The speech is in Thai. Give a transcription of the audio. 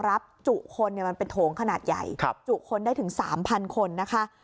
รับจุคนเนี่ยมันเป็นโถงขนาดใหญ่ครับจุคนได้ถึง๓๐๐๐คนนะคะ